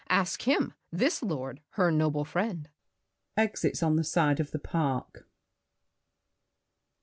Ask him, This lord, her noble friend. [Exits on the side of the park.